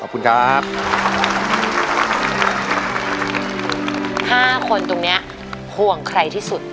๕คนตรงนี้ห่วงใครที่สุด